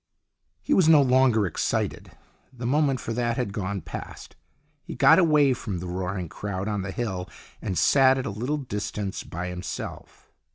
He was no longer excited. The moment for that had gone past. He got away from the roaring crowd on the hill, and sat at a little distance by himself.